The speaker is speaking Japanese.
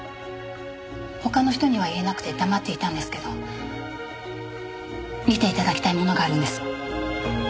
他の人には言えなくて黙っていたんですけど見ていただきたいものがあるんです。